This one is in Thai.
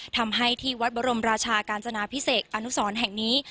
ทำให้ที่วัดบรมราชากาญจนาพิเศษอนุสรแห่งนี้